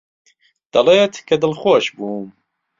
دەڵێت کە دڵخۆش بووم.